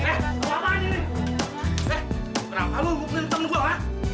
eh kenapa lo ngukelin temen gue bang